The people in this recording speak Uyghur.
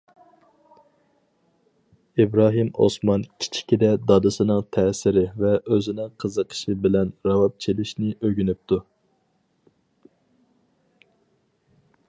ئىبراھىم ئوسمان كىچىكىدە دادىسىنىڭ تەسىرى ۋە ئۆزىنىڭ قىزىقىشى بىلەن راۋاب چېلىشنى ئۆگىنىپتۇ.